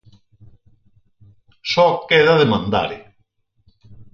Só queda demandar.